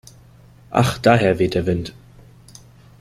Ach daher weht der Wind.